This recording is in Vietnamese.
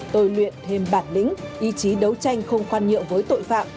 tôi luyện thêm bản lĩnh ý chí đấu tranh không khoan nhượng với tội phạm